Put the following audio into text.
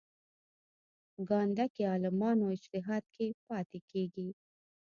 ګانده کې عالمانو اجتهاد کې پاتې کېږي.